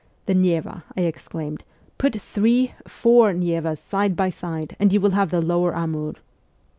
' The Neva,' I exclaimed ;' put three, four Nevas side by side, and you will have the lower Amur